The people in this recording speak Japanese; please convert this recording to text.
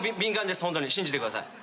ホントに信じてください。